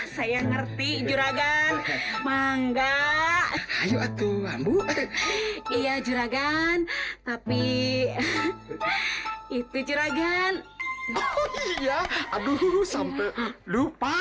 saya ngerti juragan mangga ayo atuh iya juragan tapi itu juragan aduh sampai lupa